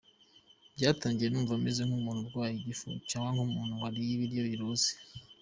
Byatangiye numva meze nk’umuntu urwaye igifu, cyangwa nk’umuntu wariye ibiryo biroze.